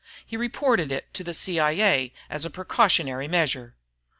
he'd reported it to the C.I.A. as a precautionary measure....